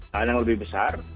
kalian yang lebih besar